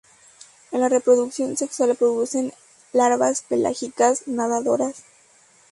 En la reproducción sexual producen larvas pelágicas nadadoras.